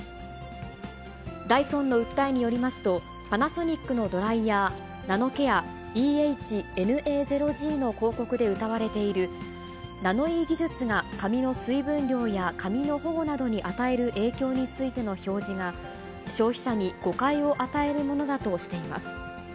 ダイソンの訴えによりますと、パナソニックのドライヤー、ナノケアＥＨーＮＡ０Ｇの広告でうたわれている、ナノイー技術が髪の水分量や髪の保護などに与える影響についての表示が、消費者に誤解を与えるものだとしています。